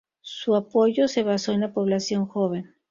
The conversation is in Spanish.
Su apoyo se basó en la población joven.